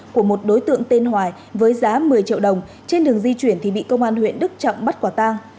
của một đối tượng tên hoài với giá một mươi triệu đồng trên đường di chuyển thì bị công an huyện đức trọng bắt quả tang